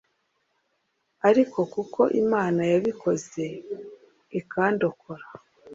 ariko kuko Imana yabikoze ikandokora